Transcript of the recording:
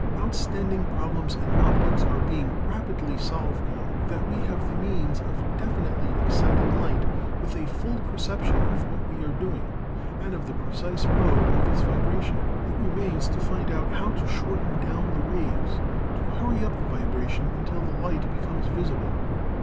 Outstanding problems in optics are being rapidly solved now that we have the means of definitely exciting light with a full perception of what we are doing and of the precise mode of its vibra tion. "It remains to find out how to shorten down the waves — to hurry up the vibration until the light becomes visible.